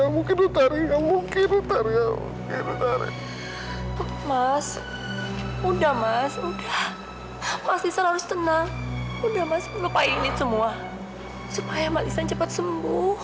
maksudnya saya malisan cepat sembuh